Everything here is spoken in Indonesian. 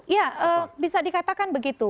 iya bisa dikatakan begitu